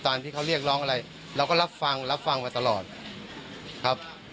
ตอนที่เค้าเรียกร้องอะไรเราก็รับฟังมาตลอดครับ